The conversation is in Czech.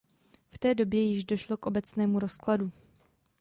V té době již došlo k obecnému rozkladu.